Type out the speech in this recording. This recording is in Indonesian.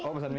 oh pesan mie